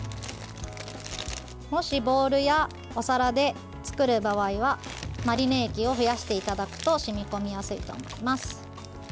もしボウルやお皿で作る場合はマリネ液を増やしていただくと染み込みやすいと思います。